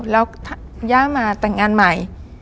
แล้วย่ามาแต่งงานใหม่